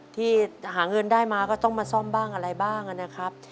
ที่หาเงินได้มาก็ต้องมาซ่อมบ้างอะไรบ้างนะครับ